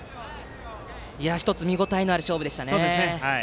見応えのある勝負でした。